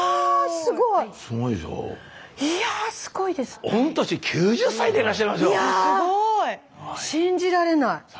すごい！いや信じられない。